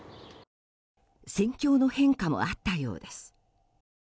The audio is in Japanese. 戦況の変化もあったようです。